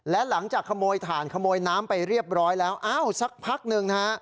และหลังจากขโมยถ่านขโมยน้ำไปเรียบร้อยแล้วอ้าวสักพักหนึ่งนะฮะ